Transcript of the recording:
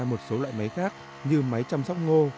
một số loại máy khác như máy chăm sóc ngô